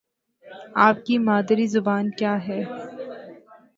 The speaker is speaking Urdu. آپ کی مادری زبان کیا ہے؟